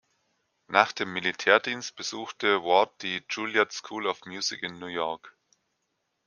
Nach dem Militärdienst besuchte Ward die Juilliard School of Music in New York.